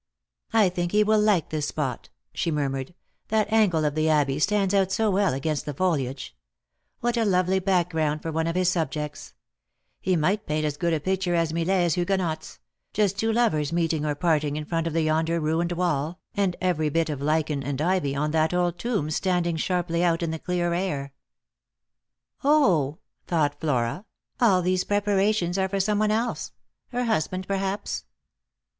" I think he will like this spot," she murmured. " That angle of the abbey stands out so well against the foliage. What a lovely background for one of his subjects ! He might paint as good a picture as Millais' Huguenots ; just two lovers meeting or parting in front of yonder ruined wall, and every 320 Lost for Love. bit of lichen and ivy on that old tomb standing sharply out in the clear air." " 0," thought Flora, " all these preparations are for some one else — her husband perhaps."